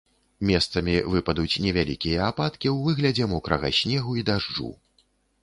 Месцамі выпадуць невялікія ападкі ў выглядзе мокрага снегу і дажджу.